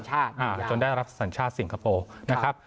จนได้รับสัญชาติสิงคโปร์